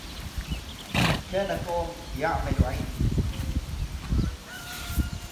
كان توم يعمل عندي.